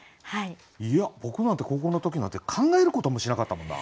いや僕なんて高校の時なんて考えることもしなかったもんな。